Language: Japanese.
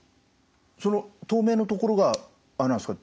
その透明のところがあれなんですか。